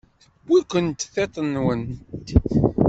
Tewwi-kent tiṭ-nwent.